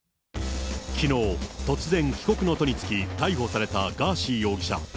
きのう、突然帰国の途に就き逮捕されたガーシー容疑者。